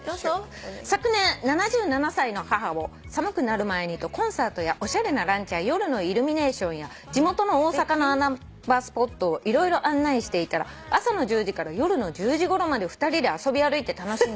「昨年７７歳の母を寒くなる前にとコンサートやおしゃれなランチや夜のイルミネーションや地元の大阪の穴場スポットを色々案内していたら朝の１０時から夜の１０時ごろまで２人で遊び歩いて楽しんで」